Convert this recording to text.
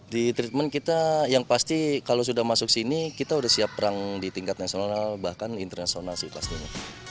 di treatment kita yang pasti kalau sudah masuk sini kita sudah siap perang di tingkat nasional bahkan internasional sih pastinya